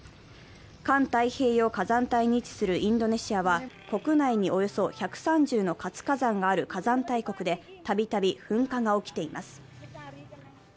環太平洋火山帯に位置するインドネシアは国内におよそ１３０の活火山がある火山大国で、たびたび噴火が起きています。